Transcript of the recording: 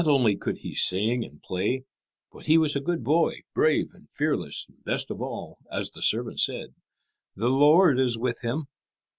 Not only could he sing and play, but he was a good boy, brave and fearless, and best of all, as the servants said, "The Lord is with him."